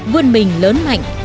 quân mình đã đổi mới